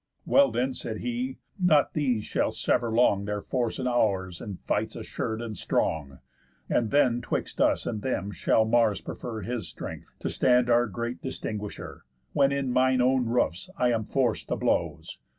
"Well then," said he, "not these shall sever long Their force and ours in fights assur'd and strong. And then 'twixt us and them shall Mars prefer His strength, to stand our great distinguisher, When in mine own roofs I am forc'd to blows.